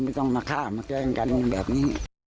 ไม่ต้องมาฆ่ามาแกล้งกันแบบนี้